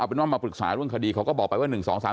เป็นว่ามาปรึกษาเรื่องคดีเขาก็บอกไปว่า๑๒๓๓